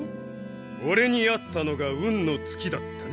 おれに会ったのが運のつきだったな。